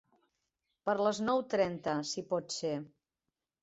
Per les nou trenta, si pot ser.